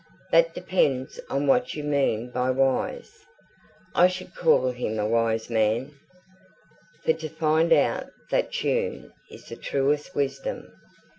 "That depends on what you mean by wise. I should call him a wise man, for to find out that tune is the truest wisdom.